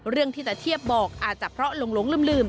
เรื่องที่ตะเทียบบอกอาจจะเพราะหลงลืม